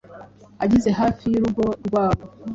Ageze hafi y'urugo rwabo,